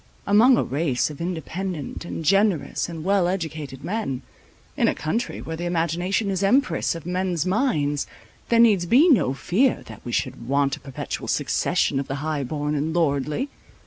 Among a race of independent, and generous, and well educated men, in a country where the imagination is empress of men's minds, there needs be no fear that we should want a perpetual succession of the high born and lordly.